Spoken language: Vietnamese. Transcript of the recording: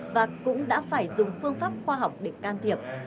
và cũng đã phải dùng phương pháp khoa học để can thiệp